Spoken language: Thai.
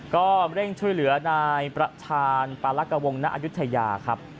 ก็เร่งช่วยเหลือในประธานปรากวงนะอยุธยาครับ